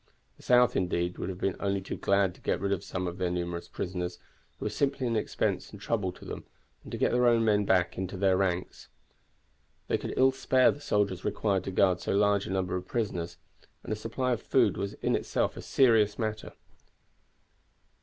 The South, indeed, would have been only too glad to get rid of some of their numerous prisoners, who were simply an expense and trouble to them, and to get their own men back into their ranks. They could ill spare the soldiers required to guard so large a number of prisoners, and a supply of food was in itself a serious matter.